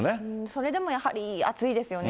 それでもやはり暑いですよね。